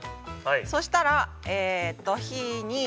そうしたら、火に。